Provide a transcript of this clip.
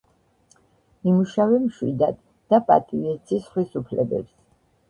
იმუშავე მშვიდად და პატივი ეცი სხვის უფლებებს